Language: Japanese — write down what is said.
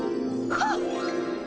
はっ！